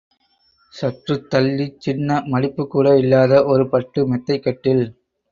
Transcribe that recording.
சற்றுத் தள்ளிச் சின்ன மடிப்புக்கூட இல்லாத ஒரு பட்டு மெத்தைக் கட்டில்.